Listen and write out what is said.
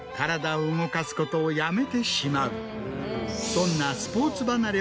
そんな。